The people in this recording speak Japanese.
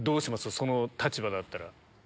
その立場だったら。